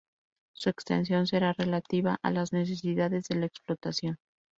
Su extensión será relativa a las necesidades de la explotación.